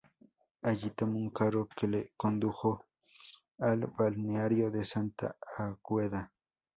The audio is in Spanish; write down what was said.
Allí tomó un carro que le condujo al Balneario de Santa Águeda.